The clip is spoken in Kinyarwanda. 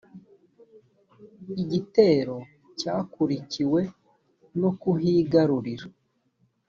igitero cyakurikiwe nokuhigarurira.